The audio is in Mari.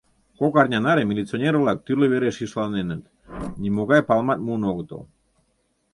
Кок арня наре милиционер-влак тӱрлӧ вере шишланеныт — нимогай палымат муын огытыл.